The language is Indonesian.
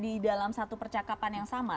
di dalam satu percakapan yang sama